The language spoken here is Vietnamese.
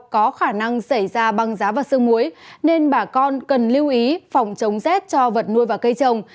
có khả năng xảy ra băng giá và sương muối nên bà con cần lưu ý phòng chống rét cho vật nuôi và cây trồng